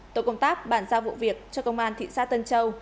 tổ công tác bàn giao vụ việc cho công an thị xã tân châu